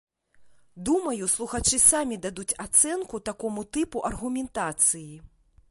Думаю, слухачы самі дадуць ацэнку такому тыпу аргументацыі.